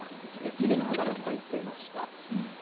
きれいな花が咲いていました。